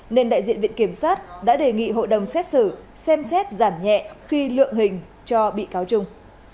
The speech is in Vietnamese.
nên đại diện viện kiểm sát đã đề nghị hội đồng xét xử xem xét giảm nhẹ khi lượng hình cho bị cáo trung